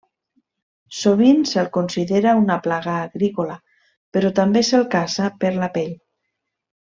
Sovint se'l considera una plaga agrícola, però també se'l caça per la pell.